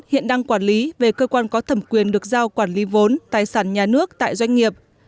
hiện đang quản lý về cơ quan có thẩm quyền được giao quản lý vốn tài sản nhà nước tại doanh nghiệp